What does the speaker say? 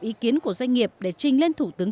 ý kiến của doanh nghiệp để trình lên thủ tướng